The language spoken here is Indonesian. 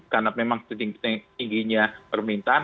karena memang tingginya permintaan